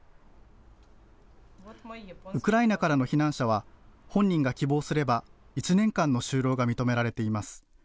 ウクライナからの避難者は本人が希望すれば１年間の就労が認められています。